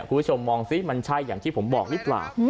คุณผู้ชมมองซิมันใช่อย่างที่ผมบอกหรือเปล่า